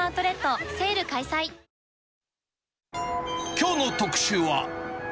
きょうの特集は。